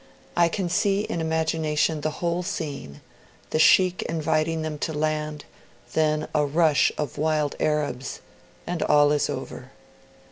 I can see in imagination the whole scene, the Sheikh inviting them to land ... then a rush of wild Arabs, and all is over!'